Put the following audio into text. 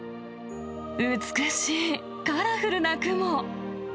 美しい、カラフルな雲。